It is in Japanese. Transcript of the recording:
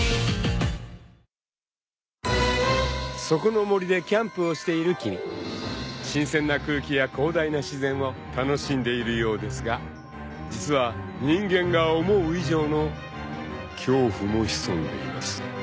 ［そこの森でキャンプをしている君新鮮な空気や広大な自然を楽しんでいるようですが実は人間が思う以上の恐怖も潜んでいます］